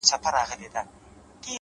• د ُملا په څېر به ژاړو له اسمانه,